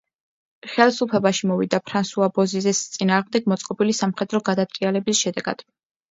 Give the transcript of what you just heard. ხელისუფლებაში მოვიდა ფრანსუა ბოზიზეს წინააღმდეგ მოწყობილი სამხედრო გადატრიალების შედეგად.